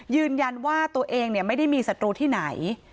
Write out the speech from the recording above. ยืนยันว่าตัวเองไม่ได้มีศัตรูที่ไหน